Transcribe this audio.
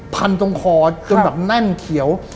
พันตรงคอจนแบบแน่นเขียว